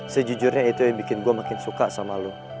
sejujurnya itu yang bikin gue makin suka sama lo